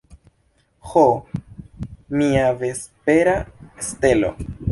Ho, mia vespera stelo!